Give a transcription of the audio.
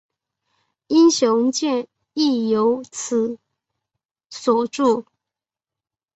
英雄剑亦由其所铸。